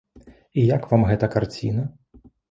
І як вам гэта карціна?